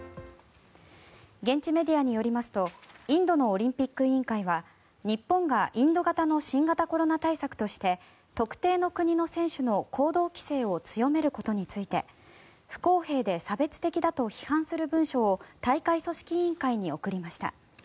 現地メディアによりますとインドのオリンピック委員会は日本がインド型の新型コロナ対策として特定の国の選手の行動規制を強めることについて不公平で差別的だと批判する文書を大会組織委員会に送りました。